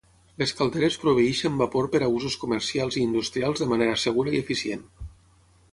Les calderes proveeixen vapor per a usos comercials i industrials de manera segura i eficient.